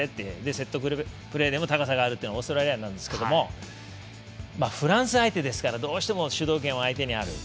セットプレーでも高さがあるオーストラリアなんですがフランス相手ですからどうしても主導権は相手にある。